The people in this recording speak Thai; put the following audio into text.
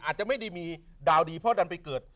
อาจจะไม่ได้มีดาวดีเพราะดันไปเกิด